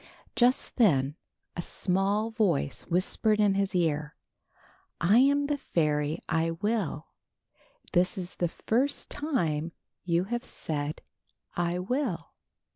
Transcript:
'' Just then a small voice whispered in his ear: "I am the fairy I Will. This is the first time you have said T will.